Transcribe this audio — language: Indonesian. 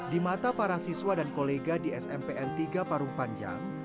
di mata para siswa dan kolega di smpn tiga parung panjang